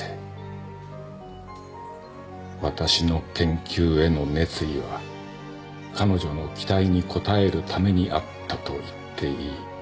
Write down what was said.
わたしの研究への熱意は彼女の期待に応えるためにあったと言っていい。